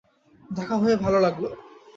দেখা হয়ে ভালো লাগলো।